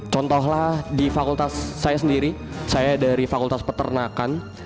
contohlah di fakultas saya sendiri saya dari fakultas peternakan